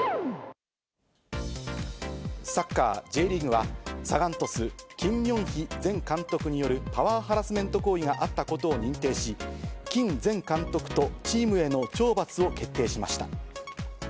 サッカー・Ｊリーグは、サガン鳥栖、キン・ミョンヒ前監督による、パワーハラスメント行為があったことを認定し、キン前監督とチームへの懲罰を決定しました。